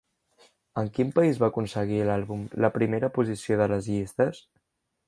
En quin país va aconseguir l'àlbum la primera posició de les llistes?